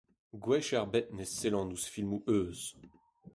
Gwech ebet ne sellan ouzh filmoù euzh.